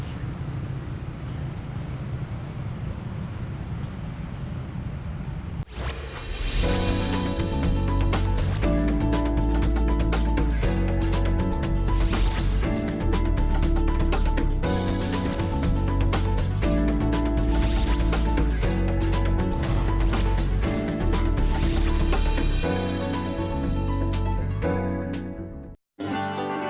banyuwangi jawa timur